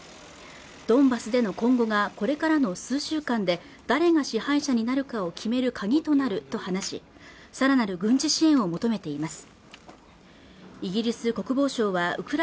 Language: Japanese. ドンバスでの今後がこれからの数週間で誰が支配者になるかを決める鍵となると話しさらなる軍事支援を求めています